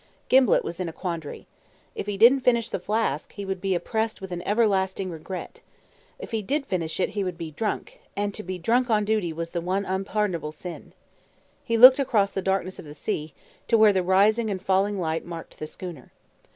Gimblett was in a quandary. If he didn't finish the flask, he would be oppressed with an everlasting regret. If he did finish it he would be drunk; and to be drunk on duty was the one unpardonable sin. He looked across the darkness of the sea, to where the rising and falling light marked the schooner.